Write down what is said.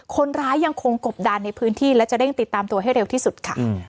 ยังคงกบดานในพื้นที่และจะเร่งติดตามตัวให้เร็วที่สุดค่ะ